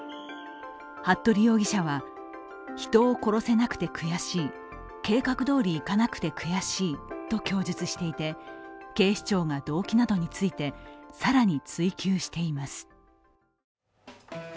服部容疑者は、人を殺せなくて悔しい、計画どおりいかなくて悔しいと供述していて、警視庁が動機などについて更に追及しています。